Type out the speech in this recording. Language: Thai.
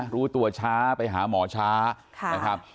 รู้ตัวช้าไปหาหมอช้า